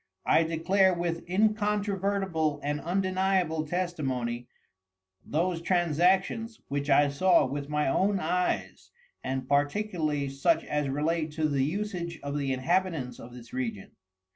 I decalre with incontrovertible and undeniable Testimony, those Transactions, which I saw with my own Eyes, and particularly such as relate to the usage of the Inhabitants of this Region.